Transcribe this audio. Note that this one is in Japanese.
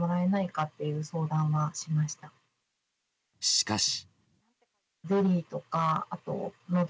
しかし。